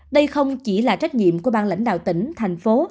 đây không chỉ là trách nhiệm của bang lãnh đạo tỉnh thành phố